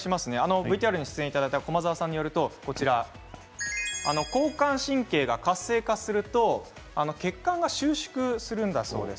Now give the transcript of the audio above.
ＶＴＲにご出演いただいた駒澤さんによると交感神経が活性化すると血管が収縮するんだそうです。